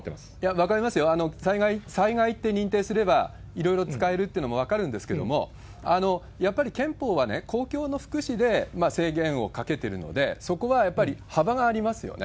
分かりますよ、災害って認定すれば、いろいろ使えるってのも分かるんですけども、やっぱり憲法は公共の福祉で制限をかけてるので、そこはやっぱり幅がありますよね。